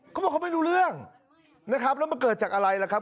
เขาบอกเขาไม่รู้เรื่องนะครับแล้วมันเกิดจากอะไรล่ะครับ